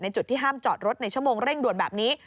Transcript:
จุดที่ห้ามจอดรถในชั่วโมงเร่งด่วนแบบนี้